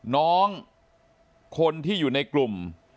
น้องคนที่อยู่ในกลุ่ม